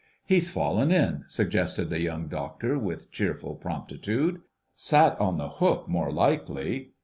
"He's fallen in," suggested the Young Doctor with cheerful promptitude. "Sat on the hook, more likely."